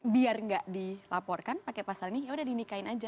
biar enggak dilaporkan pakai pasal ini yaudah dinikahin aja